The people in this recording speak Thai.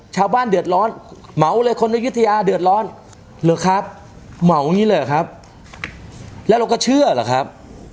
ชาวบ้านเดือดร้อนเหมาเลยคนอายุทยาเดือดร้อนเหรอครับเหมาอย่างนี้เลยเหรอครับแล้วเราก็เชื่อหรือครับ